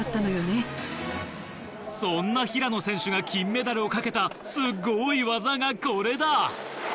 そんな平野選手が金メダルを懸けたすっごい技がこれだ！